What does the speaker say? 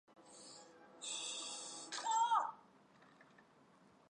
自家经营碾米厂